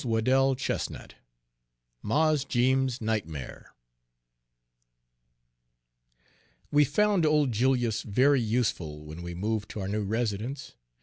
Page 64 MARS JEEMS'S NIGHTMARE WE found old Julius very useful when we moved to our new residence.